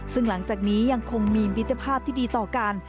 ซึ่งหลังจากนี้ยังคงมีมิตรภาพที่ดีต่อกัน